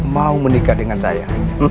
mau menikah dengan saya